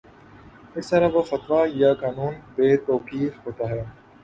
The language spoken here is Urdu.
اس طرح وہ فتویٰ یا قانون بے توقیر ہوتا ہے